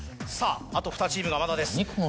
さぁあと２チームがまだです。